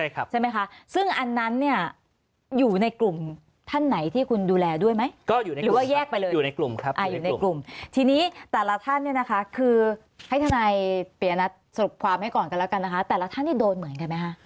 ความให้ก่อนกันแล้วกันนะคะแต่ละท่านที่โดนเหมือนกันไหมคะ